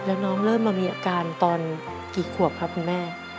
แล้วน้องเริ่มมามีอาการตอนกี่ขวบครับคุณแม่